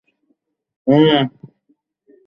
ছেলেটাকে দেখতে পাচ্ছ?